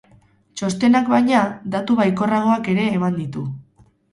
Txostenak, baina, datu baikorragoak ere eman ditu.